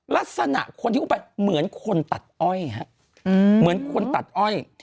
ลักษณะคนที่อุ้มไปเหมือนคนตัดอ้อยฮะเหมือนคนตัดอ้อย